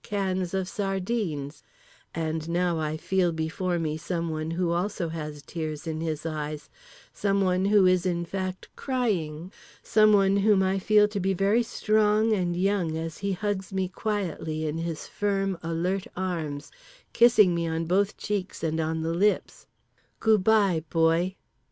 cans of sardines … and now I feel before me someone who also has tears in his eyes, someone who is in fact crying, someone whom I feel to be very strong and young as he hugs me quietly in his firm, alert arms, kissing me on both cheeks and on the lips…. "Goo bye, boy!"